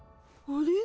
あれ？